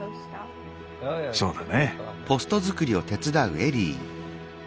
そうだね。